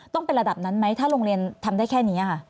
ต้องเป็นระดับนั้นไหมถ้าโรงเรียนทำได้แค่นี้ค่ะ